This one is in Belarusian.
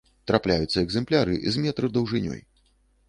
Трапляюцца экземпляры з метр даўжынёй.